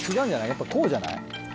やっぱこうじゃない？